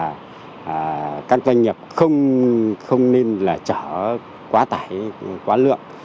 là các doanh nghiệp không nên là chở quá tải quá lượng